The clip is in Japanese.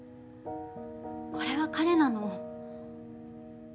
これは彼なの。